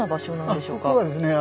あっここはですね